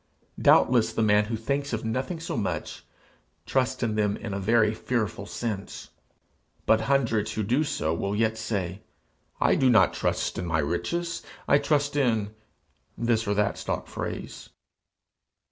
Doubtless the man who thinks of nothing so much, trusts in them in a very fearful sense; but hundreds who do so will yet say, "I do not trust in my riches; I trust in " this or that stock phrase.'